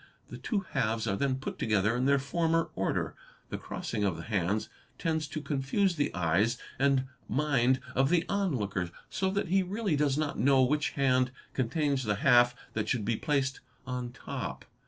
The two halves are then put together in their former order. The crossing of the hands tends to confuse the eyes and mind of the onlooker, so that he really does not know which hand contains the half that should be placed on top.